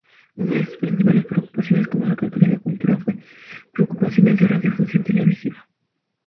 Una de sus principales preocupaciones como secretaria de Cultura fue preocupaciones de radiodifusión televisiva.